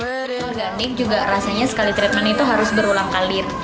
organik juga rasanya sekali treatment itu harus berulang kali